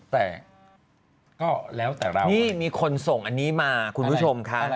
แต่ก็แล้วแต่เรานี่มีคนส่งอันนี้มาคุณผู้ชมค่ะ